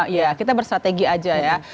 ya kita bersrategi aja ya